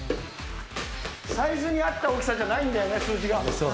サイズに合った大きさじゃないんだよね、数字が。